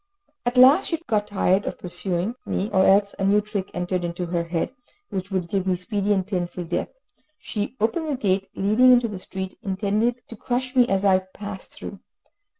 At last she got tired of pursuing me, or else a new trick entered into her head, which would give me speedy and painful death; she opened the gate leading into the street, intending to crush me as I passed through.